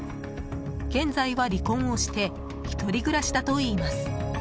現在は離婚をして１人暮らしだといいます。